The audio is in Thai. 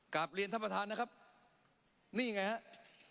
กลับเรียนท่านประธานนะครับนี่ไงครับ